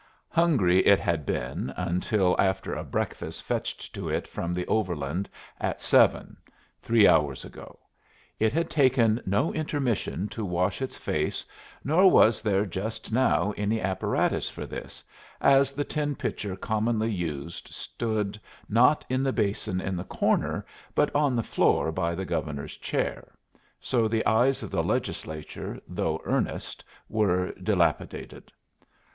Hungry it had been until after a breakfast fetched to it from the Overland at seven, three hours ago. It had taken no intermission to wash its face, nor was there just now any apparatus for this, as the tin pitcher commonly used stood not in the basin in the corner, but on the floor by the Governor's chair; so the eyes of the Legislature, though earnest, were dilapidated.